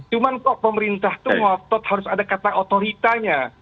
cuman kok pemerintah tuh ngotot harus ada kata otoritanya